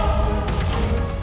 mbak andin selingkuh